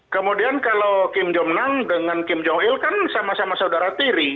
kemudian kalau kim jong nam dengan kim jong il kan sama sama saudara tiri